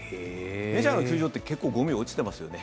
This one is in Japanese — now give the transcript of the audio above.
メジャーの球場って結構、ゴミ落ちてますよね